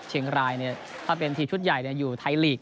เชียงรายถ้าเป็นทีมชุดใหญ่อยู่ไทยลีก